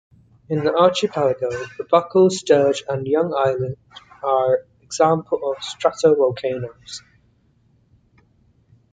In the archipelago, the Buckle, Sturge and Young Islands are examples of stratovolcanoes.